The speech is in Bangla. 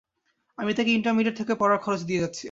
আমি তাকে ইন্টারমিডিয়েট থেকে পড়ার খরচ দিয়ে যাচ্ছি।